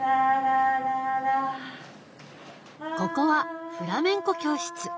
ここはフラメンコ教室。